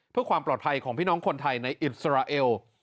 เพื่อความปลอดภัยของพี่น้องคนไทยในอิสราเอล